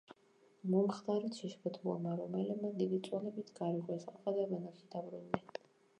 მომხდარით შეშფოთებულმა რომაელებმა დიდი წვალებით გაარღვიეს ალყა და ბანაკში დაბრუნდნენ.